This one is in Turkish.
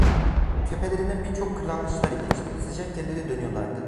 Tepelerinden birçok kırlangıçlar geçti: Sıcak yerlere dönüyorlardı.